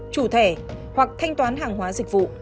chủ thẻ hoặc thanh toán hàng hóa dịch vụ